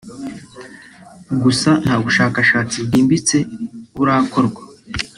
gusa nta bushakashatsi bwimbitse burakorwa